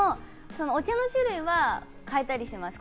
お茶の種類は変えたりします。